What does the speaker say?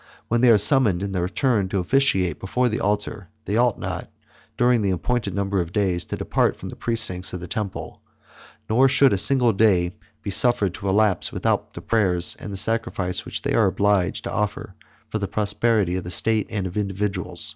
When they are summoned in their turn to officiate before the altar, they ought not, during the appointed number of days, to depart from the precincts of the temple; nor should a single day be suffered to elapse, without the prayers and the sacrifice, which they are obliged to offer for the prosperity of the state, and of individuals.